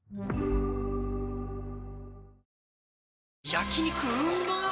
焼肉うまっ